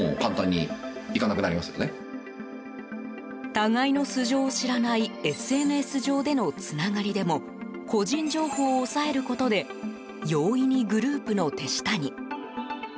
互いの素性を知らないＳＮＳ上でのつながりでも個人情報を押さえることで容易にグループの手下に。